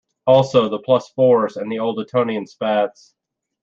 Also the plus fours and the Old Etonian spats.